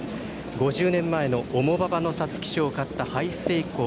５０年前の重馬場の皐月賞を勝ったハイセイコー。